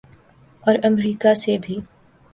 اور امریکہ سے بھی۔